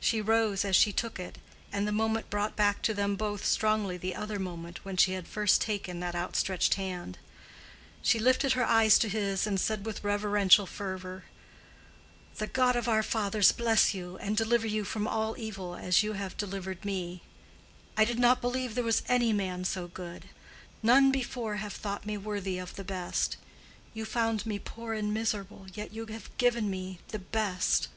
She rose as she took it, and the moment brought back to them both strongly the other moment when she had first taken that outstretched hand. She lifted her eyes to his and said with reverential fervor, "The God of our fathers bless you and deliver you from all evil as you have delivered me. I did not believe there was any man so good. None before have thought me worthy of the best. You found me poor and miserable, yet you have given me the best."